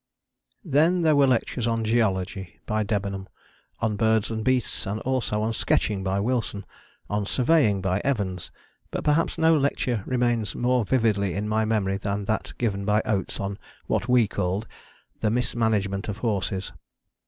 Then there were lectures on Geology by Debenham, on birds and beasts and also on Sketching by Wilson, on Surveying by Evans: but perhaps no lecture remains more vividly in my memory than that given by Oates on what we called 'The Mismanagement of Horses.'